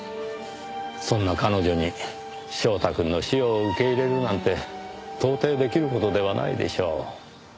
そんな彼女に翔太くんの死を受け入れるなんて到底出来る事ではないでしょう。